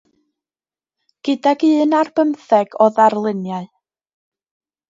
Gydag un ar bymtheg o ddarluniau.